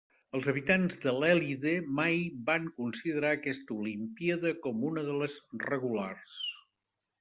Els habitants de l'Èlide mai van considerar aquesta olimpíada com una de les regulars.